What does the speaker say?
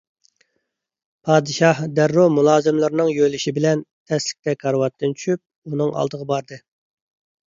پادىشاھ دەررۇ مۇلازىملىرىنىڭ يۆلىشى بىلەن تەسلىكتە كارىۋاتتىن چۈشۈپ ئۇنىڭ ئالدىغا باردى.